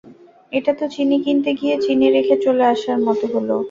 এটা তো চিনি কিনতে গিয়ে চিনি রেখে চলে আসার মতো হলো।